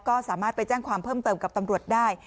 ก็สามารถไปแจ้งความเพิ่มเติมกับตำรวจได้